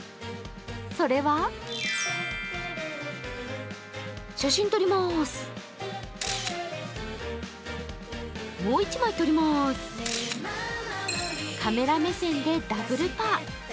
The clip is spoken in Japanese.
それはカメラ目線でダブルパー。